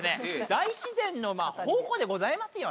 大自然の宝庫でございますよね。